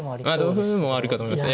同歩もあるかと思います。